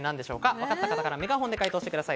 わかった方からメガホンで解答してください。